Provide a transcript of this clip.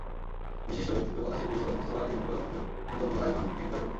বিশিষ্ট ব্যক্তিত্ব কথাশিল্পী সৈয়দ মুজতবা আলী, মকবুলা মনজুর, গণিতজ্ঞ আইভান ভিনগ্রাদভ।